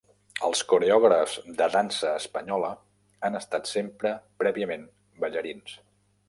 Els coreògrafs de dansa espanyola han estat sempre prèviament ballarins.